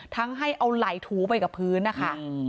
ทั้งให้เอาไหล่ถูไปกับพื้นนะคะอืม